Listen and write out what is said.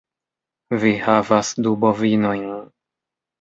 Vi havas du bovinojn.